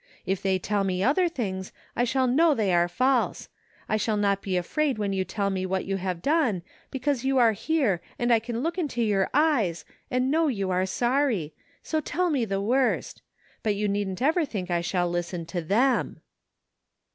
If they tell me other things I shall know they are false. I shall not be afraid when you tell me what you have done because you are here and I can look into your eyes and know you are sorry ; so tell me the worst But you needn't ever think I shall listen to them!